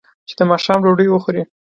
چې د ماښام ډوډۍ وخوري.